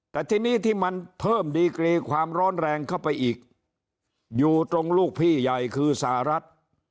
แต่ทีนี้ที่มันเพิ่มดีกรีความร้อนแรงเข้าไปอีกอยู่ตรงลูกพี่ใหญ่คือสหรัฐ